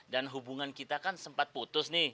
dan hubungan kita kan sempat berubah